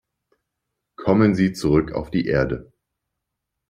Kommen Sie zurück auf die Erde.